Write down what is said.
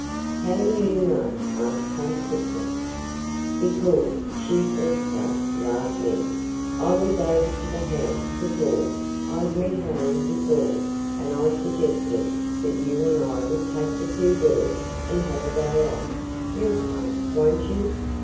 "How do you know?" asked Tom quickly. "Because she said so," laughed Ned. "I was over to the house to call. I have met Helen before, and I suggested that you and I would take the two girls, and have a day off. You'll come, won't you?"